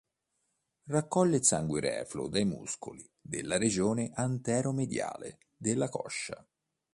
Raccoglie il sangue refluo dai muscoli della regione antero-mediale della coscia.